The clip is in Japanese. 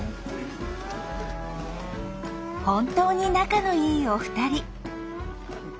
本当に仲のいいお二人。